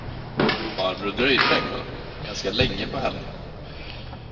Barbro dröjde den kvällen ganska länge på hällen.